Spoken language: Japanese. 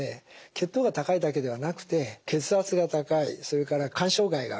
血糖が高いだけではなくて血圧が高いそれから肝障害がある脂質異常症